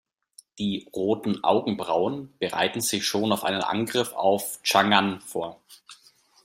Die „Roten Augenbrauen“ bereiteten sich schon auf einen Angriff auf Chang'an vor.